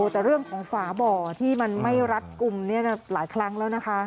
แต่เรื่องของฝาบ่อที่มันไม่รัดกลุ่มหลายครั้งแล้วนะคะ